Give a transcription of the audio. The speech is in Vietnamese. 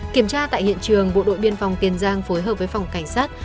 kiểm tra tại hiện trường bộ đội biên phòng tiền giang phối hợp với phòng cảnh sát